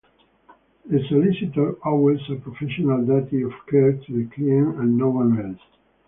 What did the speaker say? A solicitor owes a professional duty of care to the client and no-one else.